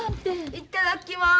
いただきます。